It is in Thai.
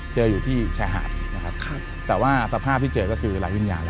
เจออยู่ที่ชายหาดนะครับแต่ว่าสภาพที่เจอก็คือหลายวิญญาณ